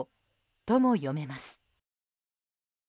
とも読めます。